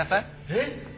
えっ！？